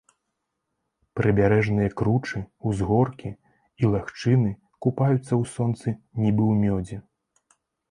Прыбярэжныя кручы, узгоркі і лагчыны купаюцца ў сонцы, нібы ў мёдзе.